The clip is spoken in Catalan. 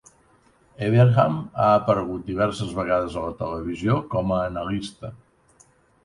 Evernham ha aparegut diverses vegades a la televisió com a analista.